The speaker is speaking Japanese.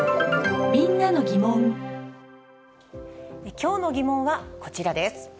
きょうの疑問はこちらです。